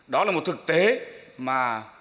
đó là một thực tế mà